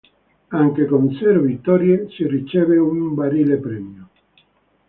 Anche con zero vittorie si riceve un barile premio.